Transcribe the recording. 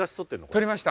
取りました。